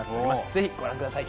ぜひご覧ください